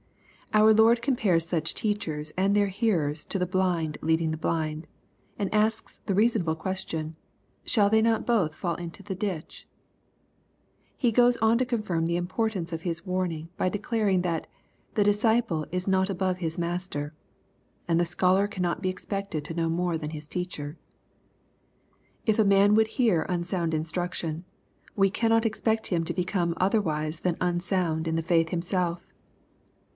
Our Lord compares such teachers and their hearers to the blind leading the blind, and asks the reasonable ques tion, "Shall they not both fall into the ditch .^" He goes on to confirm the importance of His warning by declar ing, that " the disciple is not above his master," and the scholar cannot be expected to know more than his teacher. If a man will hear unsound instruction, we cannot expect him to become otherwise than unsound in the faith himself.